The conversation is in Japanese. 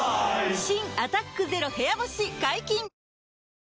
新「アタックＺＥＲＯ部屋干し」解禁‼